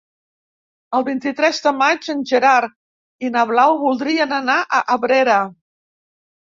El vint-i-tres de maig en Gerard i na Blau voldrien anar a Abrera.